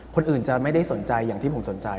คนอื่นจะไม่ได้สนใจอย่างที่ผมสนใจ